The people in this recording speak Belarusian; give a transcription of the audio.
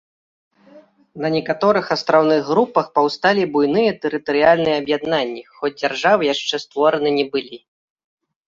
На некаторых астраўных групах паўсталі буйныя тэрытарыяльныя аб'яднанні, хоць дзяржавы яшчэ створаны не былі.